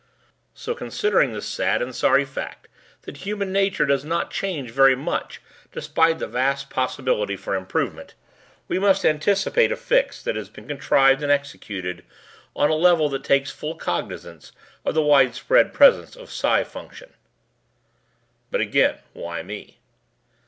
"So considering the sad and sorry fact that human nature does not change very much despite the vast possibility for improvement, we must anticipate a fix that has been contrived and executed on a level that takes full cognizance of the widespread presence of psi function." "But again, why me?"